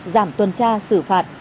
giảm tuần tra xử phạt